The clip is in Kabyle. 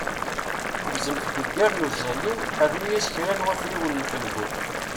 Gzem tgeggar n uẓalim, rnu-as kra n wafriwen n felyu.